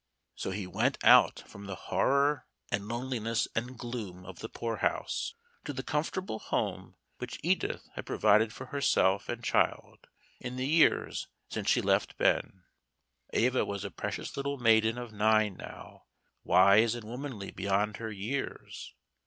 So he went out from the horror and loneliness and gloom of the Poor House, to the comfortable home which Edith had provided for herself and child in the years since she left Ben. Eva was a precocious little maiden of nine now, wise and womanly beyond her years.